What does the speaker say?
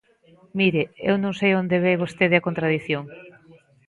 Mire, eu non sei onde ve vostede a contradición.